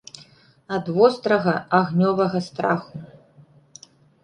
Ад вострага, агнёвага страху.